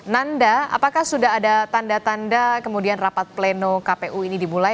nanda apakah sudah ada tanda tanda kemudian rapat pleno kpu ini dimulai